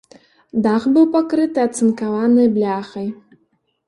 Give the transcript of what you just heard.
Дах быў пакрыты ацынкаванай бляхай.